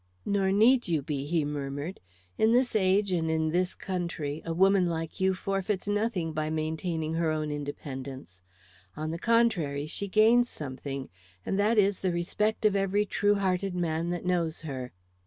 "Nor need you be," he murmured. "In this age and in this country a woman like you forfeits nothing by maintaining her own independence. On the contrary, she gains something, and that is the respect of every true hearted man that knows her."